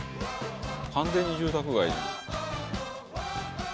完全に住宅街。